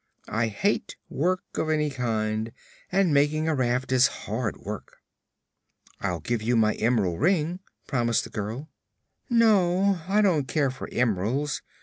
I hate work of any kind, and making a raft is hard work." "I'll give you my em'rald ring," promised the girl. "No; I don't care for emeralds.